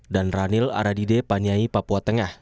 dan ranil aradide panyai papua tengah